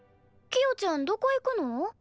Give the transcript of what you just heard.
キヨちゃんどこ行くの？